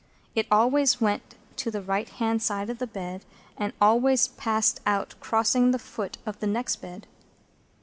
It always went to the right hand side of the bed, and always passed out crossing the foot of the next bed.